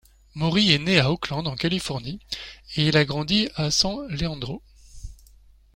Mori est né à Oakland, en Californie, et il a grandi à San Leandro.